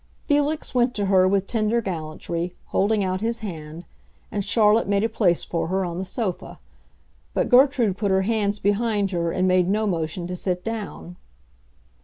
Felix went to her with tender gallantry, holding out his hand, and Charlotte made a place for her on the sofa. But Gertrude put her hands behind her and made no motion to sit down.